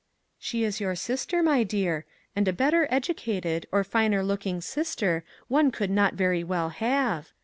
"" She is your sister, my dear, and a better educated or finer looking sister one could not very well have.